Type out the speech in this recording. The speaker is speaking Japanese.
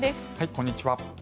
こんにちは。